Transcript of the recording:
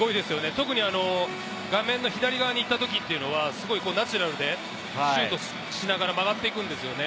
特に画面の左側に行った時っていうのはナチュラルで、シュートしながら曲がっていくんですよね。